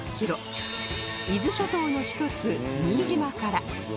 伊豆諸島の一つ新島から